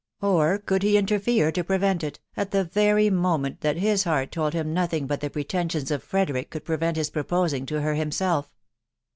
Or could he interfere to prevent it, at the very moment that his heart told him nothing but the pretensions of Frederick could ^prevent his proposing to her himself.